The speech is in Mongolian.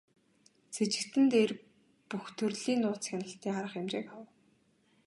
Сэжигтэн дээр бүх төрлийн нууц хяналтын арга хэмжээг авав.